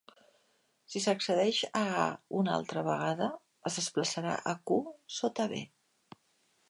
Si s'accedeix a "a" una altra vegada, es desplaçarà a Q sota "b".